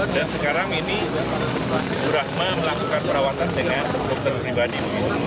dan sekarang ini burakma melakukan perawatan dengan dokter pribadi